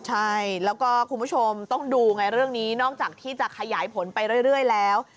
ใช่แล้วก็คุณผู้ชมต้องดูไงเรื่องนี้นอกจากที่จะขยายผลไปเรื่อยแล้ว